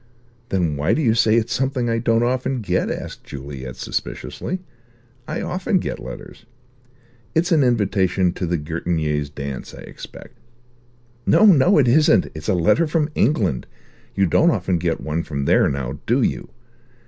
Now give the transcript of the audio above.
"Then why do you say it's something I don't often get?" asked Juliet suspiciously; "I often get letters. It's an invitation to the Gertignés' dance, I expect." "No, no, it isn't. It's a letter from England. You don't often get one from there, now, do you?